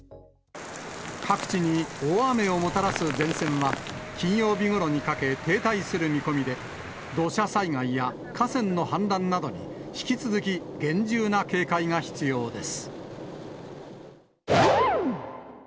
各地に大雨をもたらす前線は、金曜日ごろにかけ停滞する見込みで、土砂災害や河川の氾濫などに、引き続き厳重な警戒が必要です。